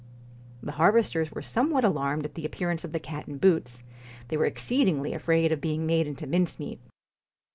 The harvesters were somewhat alarmed at the appearance of the cat in boots ; they were exceed ingly afraid of being made into mincemeat.